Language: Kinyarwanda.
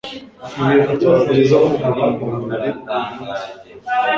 Byaba byiza mugumye mu buriri uyu munsi